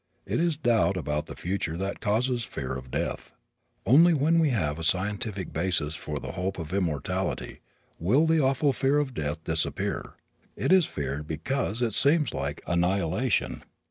It is doubt about the future that causes fear of death. Only when we have a scientific basis for the hope of immortality will the awful fear of death disappear. It is feared because it seems like annihilation.